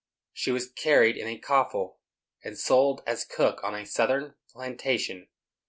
She was carried in a coffle, and sold as cook on a Southern plantation.